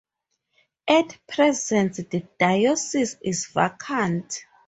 At present the diocese is vacant.